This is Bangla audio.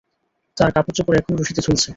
তার কাপড়-চোপড় এখনো রশিতে ঝুলছে।